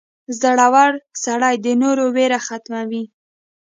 • زړور سړی د نورو ویره ختموي.